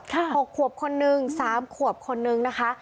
หกขวบคนนึงสามขวบคนนึงนะคะ